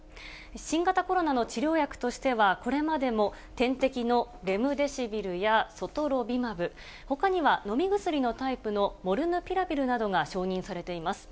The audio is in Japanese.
新型コロナの治療薬としては、これまでも点滴のレムデシビルやソトロビマブ、ほかには、飲み薬のタイプのモルヌピラビルなどが承認されています。